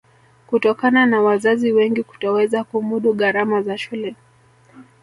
Kutokana na wazazi wengi kutoweza kumudu gharama za shule